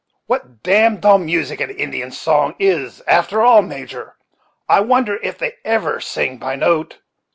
What damned dull music an Indian song is, after all, Major! I wonder if they ever sing by note."